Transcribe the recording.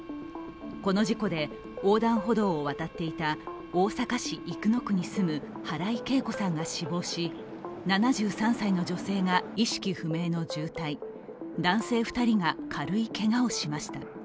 この事故で横断歩道を渡っていた大阪市生野区に住む原井惠子さんが死亡し、７３歳の女性が意識不明の重体男性２人が軽いけがをしました。